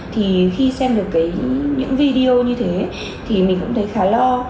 thì khi xem được những video như thế thì mình cũng thấy khá lo